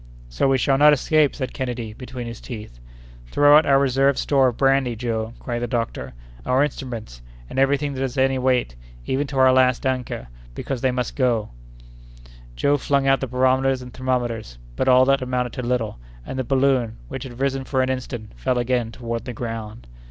"So we shall not escape!" said Kennedy, between his teeth. "Throw out our reserved store of brandy, Joe," cried the doctor; "our instruments, and every thing that has any weight, even to our last anchor, because go they must!" Joe flung out the barometers and thermometers, but all that amounted to little; and the balloon, which had risen for an instant, fell again toward the ground.